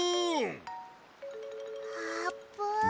あーぷん？